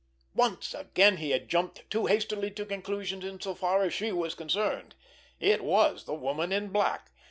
Once again he had jumped too hastily to conclusions in so far as she was concerned—it was the Woman in Black.